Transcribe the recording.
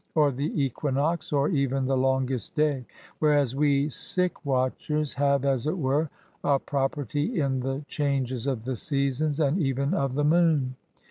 or the equinox, or even the longest day ! Whereas, we sick watchers have, as it were, a property in the changes of the seasons, and even of the moon.